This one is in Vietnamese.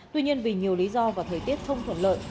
tuy nhiên vì nhiều lý do và thời tiết không thuận lợi